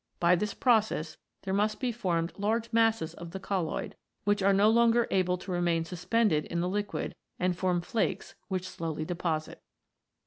By this process there must be formed large masses of the colloid, which are no longer able to remain suspended in the liquid, and form flakes which slowly deposit.